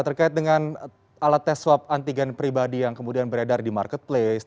terkait dengan alat tes swab antigen pribadi yang kemudian beredar di marketplace